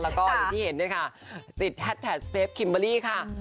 แล้วก็อย่างที่เห็นค่ะติดแฮดแทรดเซฟคริมเมรี่ค่ะ